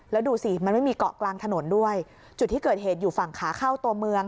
แล้วดูสิมันไม่มีเกาะกลางถนนด้วยจุดที่เกิดเหตุอยู่ฝั่งขาเข้าตัวเมือง